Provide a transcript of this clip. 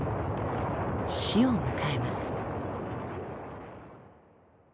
死を迎えます。